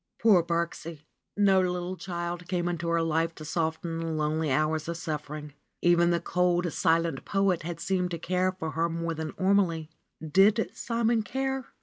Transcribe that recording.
Poor Birksie ! No little child came into her life to soften the lonely hours of suffering. Even the cold, silent poet had seemed to care more for her than Ormelie. Did Simon care ?